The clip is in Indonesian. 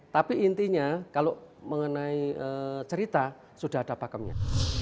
tapi intinya kalau mengenai cerita sudah ada pakemnya